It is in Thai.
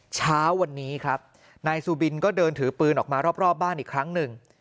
เช้าวันนี้ครับนายซูบินก็เดินถือปืนออกมารอบบ้านอีกครั้งหนึ่ง